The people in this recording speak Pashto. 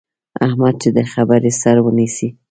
احمد چې د خبرې سر ونیسي،